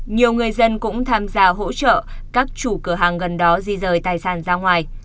nhiều người dân cũng tham gia hỗ trợ các chủ cửa hàng gần đó di rời tài sản ra ngoài